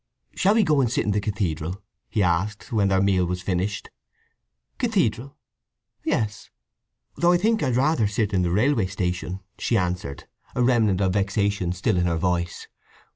"Shall we go and sit in the cathedral?" he asked, when their meal was finished. "Cathedral? Yes. Though I think I'd rather sit in the railway station," she answered, a remnant of vexation still in her voice.